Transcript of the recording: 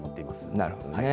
なるほどね。